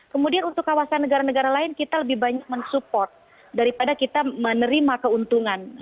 kemudian untuk kawasan negara negara lain kita lebih banyak mensupport daripada kita menerima keuntungan